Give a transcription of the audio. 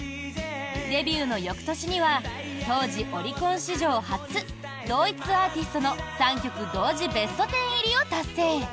デビューの翌年には当時、オリコン史上初同一アーティストの３曲同時ベスト１０入りを達成。